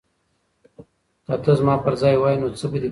که ته زما پر ځای وای نو څه به دې کړي وای؟